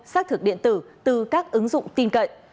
xác thực điện tử từ các ứng dụng tin cậy